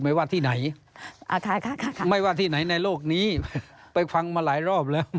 ไม่ว่าที่ไหนไม่ว่าที่ไหนในโลกนี้ไปฟังมาหลายรอบแล้ว